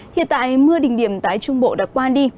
hiện tại mưa đỉnh điểm tại trung bộ đã qua đi